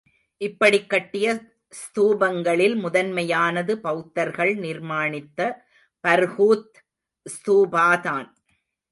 இப்படிக் கட்டிய ஸ்தூபங்களில் முதன்மையானது பெளத்தர்கள் நிர்மாணித்த பர்ஹுத் ஸ்தூபாதான்.